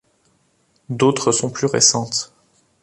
D'autres sont plus récentes.